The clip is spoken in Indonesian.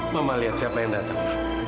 mama lihat siapa yang datang